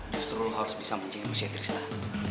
justru lo harus bisa pancing emosi sama tristan